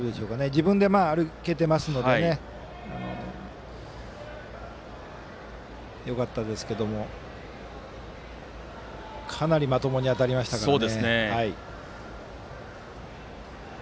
自分で歩けていますのでよかったですけれどもかなりまともに当たりましたからね。